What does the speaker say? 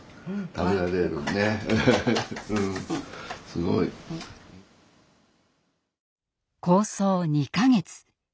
すごい。構想２か月。